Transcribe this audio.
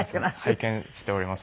拝見しております